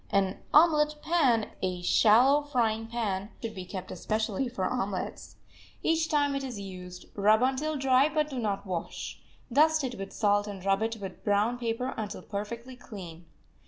An "omelet pan," a shallow frying pan, should be kept especially for omelets. Each time it is used rub until dry, but do not wash. Dust it with salt and rub it with brown paper until perfectly clean.